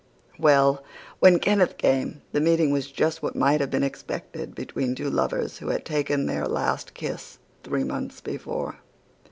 "Well, when Kenneth came, the meeting was just what might have been expected between two lovers who had taken their last kiss three months before.